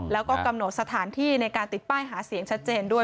แล้วก็กำหนดสถานที่ในการติดป้ายหาเสียงชัดเจนด้วย